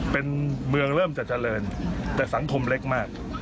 เป็นเมืองเริ่มจะเจริญแต่สังคมเล็กมาก